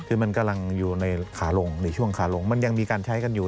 คือมันกำลังอยู่ในขาลงในช่วงขาลงมันยังมีการใช้กันอยู่